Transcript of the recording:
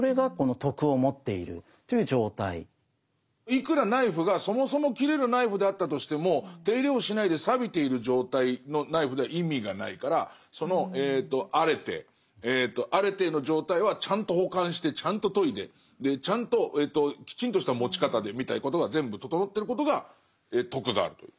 いくらナイフがそもそも切れるナイフであったとしても手入れをしないでさびている状態のナイフでは意味がないからそのアレテーアレテーの状態はちゃんと保管してちゃんと研いでちゃんときちんとした持ち方でみたいなことが全部整ってることが「徳がある」という。